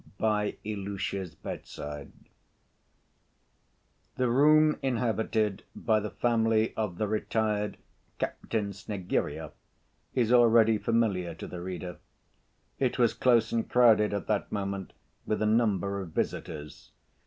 By Ilusha's Bedside The room inhabited by the family of the retired captain Snegiryov is already familiar to the reader. It was close and crowded at that moment with a number of visitors.